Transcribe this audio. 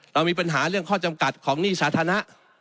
เรามีปัญหาเรื่องข้อจำกัดของหนี้สาธารณะ